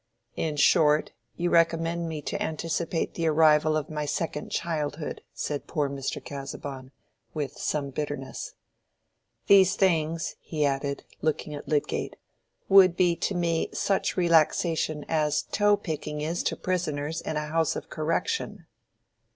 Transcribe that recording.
"In short, you recommend me to anticipate the arrival of my second childhood," said poor Mr. Casaubon, with some bitterness. "These things," he added, looking at Lydgate, "would be to me such relaxation as tow picking is to prisoners in a house of correction."